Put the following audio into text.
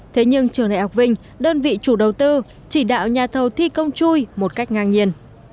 thế nhưng trường đại học vinh đơn vị chủ đầu tư chỉ đạo nhà thầu thi công chui một cách ngang nhiên